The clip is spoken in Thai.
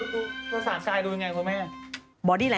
ไม่อยากดูไงเขาภาษาชายดูยังไงครับพี่แม่